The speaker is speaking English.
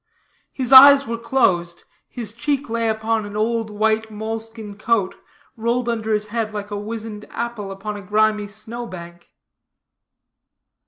His eyes were closed, his cheek lay upon an old white moleskin coat, rolled under his head like a wizened apple upon a grimy snow bank.